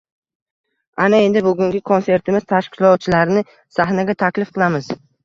ana endi bugungi konsertimiz tashkilotchilarini sahnaga taklif qilamiz